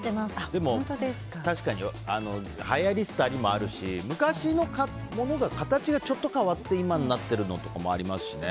でも、確かにはやり廃りもあるし昔のものが形がちょっと変わって今になってるのとかもありますしね。